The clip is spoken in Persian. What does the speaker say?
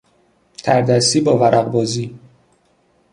تردستی با ورق بازی